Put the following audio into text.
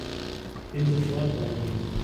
Ich bin sofort bei dir.